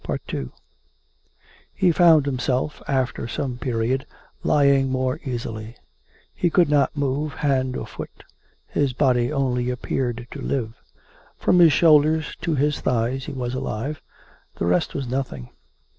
... II He found himself, after some period, lying more easily. He could not move hand or foot. His body only appeared to live. From his shoulders to his thighs he was alive; the rest was nothing.